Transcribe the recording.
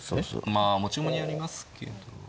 まあ持ち駒によりますけど。